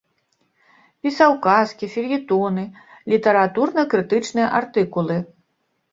Пісаў казкі, фельетоны, літаратурна-крытычныя артыкулы.